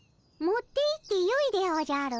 持っていってよいでおじゃる。